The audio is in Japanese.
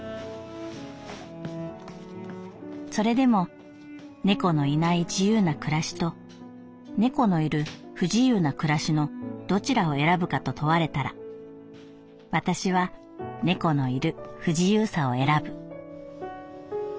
「それでも猫のいない自由な暮らしと猫のいる不自由な暮らしのどちらを選ぶかと問われたら私は猫のいる不自由さを選ぶ」。